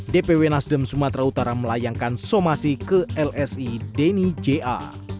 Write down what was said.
dpw nasdem sumatera utara melayangkan somasi ke lsidnija